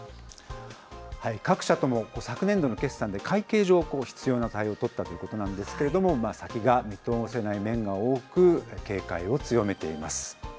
各社とも昨年度の決算で会計上、必要な対応を取ったということなんですけれども、先が見通せない面が多く、警戒を強めています。